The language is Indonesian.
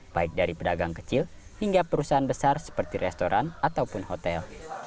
baik dari pedagang kecil hingga perusahaan besar seperti restoran ataupun hotel